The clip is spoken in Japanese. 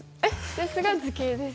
「ですが図形です」。